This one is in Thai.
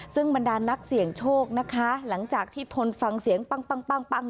ซึ่งบรรดานนักเสี่ยงโชคนะคะหลังจากที่ทนฟังเสียงปั้ง